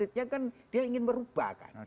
artinya kan dia ingin merubah kan